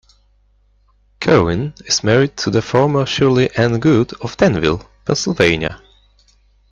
Kerwin is married to the former Shirley Ann Good of Danville, Pennsylvania.